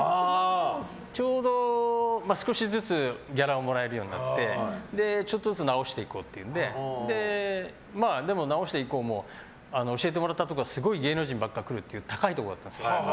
ちょうど、少しずつギャラをもらえるようになってちょっとずつ治していこうっていうんででも、治していこうも教えてもらったところがすごい芸能人ばっかり来るという高いところだったんです。